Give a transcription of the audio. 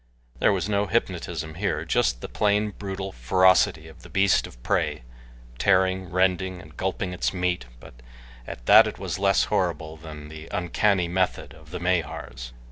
There was no hypnotism here just the plain, brutal ferocity of the beast of prey, tearing, rending, and gulping its meat, but at that it was less horrible than the uncanny method of the Mahars.